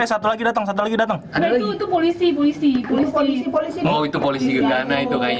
ya satu lagi datang satu lagi datang polisi polisi polisi polisi polisi polisi